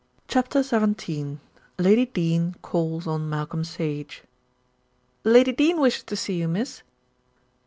CHAPTER XVII LADY DENE CALLS ON MALCOLM SAGE "Lady Dene wishes to see you, Miss."